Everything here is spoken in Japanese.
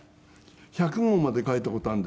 １００号まで描いた事あるんですよ。